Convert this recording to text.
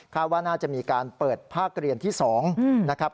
ว่าน่าจะมีการเปิดภาคเรียนที่๒นะครับ